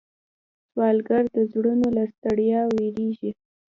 سوالګر د زړونو له ستړیا ویریږي